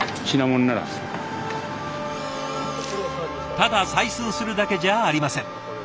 ただ採寸するだけじゃありません。